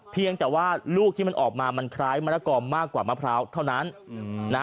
เพียงแต่ว่าลูกที่มันออกมามันคล้ายมะละกอมมากกว่ามะพร้าวเท่านั้น